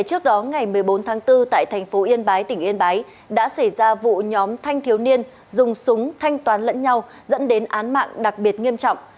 trước đó ngày một mươi bốn tháng bốn tại thành phố yên bái tỉnh yên bái đã xảy ra vụ nhóm thanh thiếu niên dùng súng thanh toán lẫn nhau dẫn đến án mạng đặc biệt nghiêm trọng